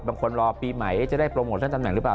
บางคนรอปีใหม่จะได้โปรโมททั้งจำหนังหรือเปล่า